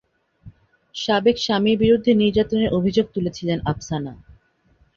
সাবেক স্বামীর বিরুদ্ধে নির্যাতনের অভিযোগ তুলেছিলেন আপসানা।